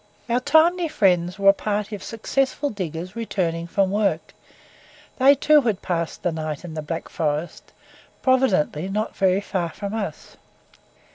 Our timely friends were a party of successful diggers returning, from work. They too had passed the night in the Black Forest providently not very far from us.